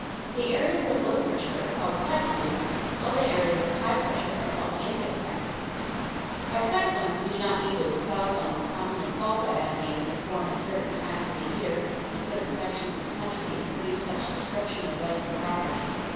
The areas of low pressure are called cyclones, while the areas of high pressure are called anti cyclones. (By cyclone we do not mean those cloud funnels commonly called by that name that form at certain times of the year in certain sections of the country and produce such destruction of life and property.